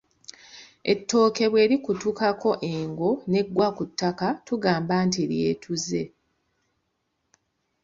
Ettooke bwe likutukako engo n'egwa ku ttaka tugamba nti lyetuze.